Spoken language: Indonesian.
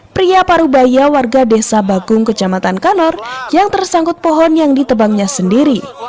pria parubaya warga desa bagung kecamatan kanor yang tersangkut pohon yang ditebangnya sendiri